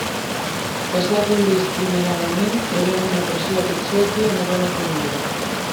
Caçats indiscriminadament, eren un apreciat obsequi a madona cuinera.